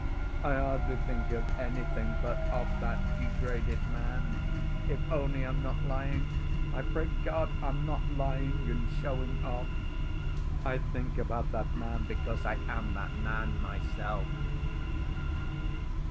I hardly think of anything but of that degraded man—if only I'm not lying. I pray God I'm not lying and showing off. I think about that man because I am that man myself.